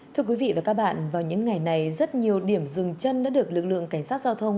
thưa quý vị và các bạn vào những ngày này rất nhiều điểm rừng chân đã được lực lượng cảnh sát giao thông